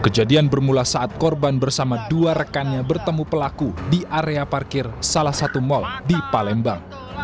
kejadian bermula saat korban bersama dua rekannya bertemu pelaku di area parkir salah satu mal di palembang